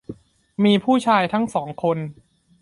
มีผู้ชายทั้งห้องสองคน